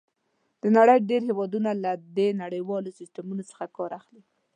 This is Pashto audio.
د نړۍ ډېر هېوادونه له دې نړیوالو سیسټمونو څخه کار اخلي.